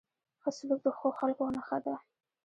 ښه سلوک د ښو خلکو نښه ده.